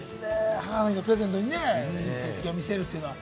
母の日にプレゼントにね、成績を見せるというのは。